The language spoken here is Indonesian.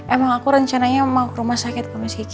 emang aku rencananya mau ke rumah sakit